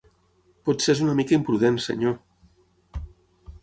Potser és una mica imprudent, senyor.